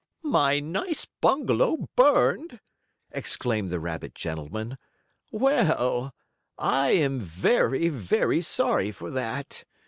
"My nice bungalow burned!" exclaimed the rabbit gentleman. "Well, I am very, very sorry for that.